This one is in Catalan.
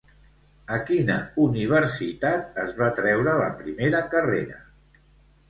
A quina universitat es va treure la primera carrera?